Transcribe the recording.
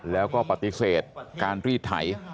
แล้วก็ปฏิเสธการรีดไถ